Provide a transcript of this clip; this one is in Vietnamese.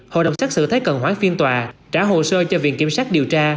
hội đồng xét xử thấy cần hoán phiên tòa trả hồ sơ cho viện kiểm sát điều tra